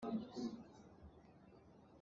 Kaite nih kan arfa a cawi.